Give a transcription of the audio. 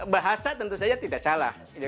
bahasa tentu saja tidak salah